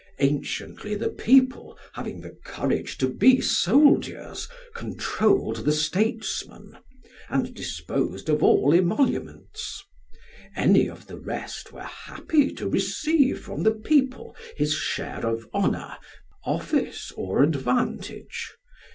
Anciently the people, having the courage to be soldiers, controlled the statesmen, and disposed of all emoluments; any of the rest were happy to receive from the people his share of honour, office, or advantage.